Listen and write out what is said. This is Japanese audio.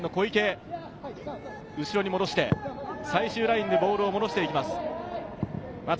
後ろに戻して、最終ラインへボールを戻していきます。